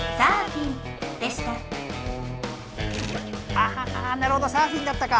あなるほどサーフィンだったか。